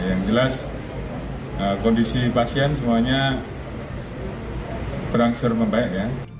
yang jelas kondisi pasien semuanya berangsur membaik ya